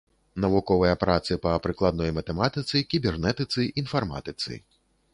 Навуковыя працы па прыкладной матэматыцы, кібернетыцы, інфарматыцы.